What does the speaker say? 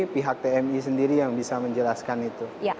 pihak tmi sendiri yang bisa menjelaskan itu